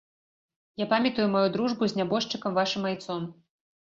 Я памятаў маю дружбу з нябожчыкам вашым айцом.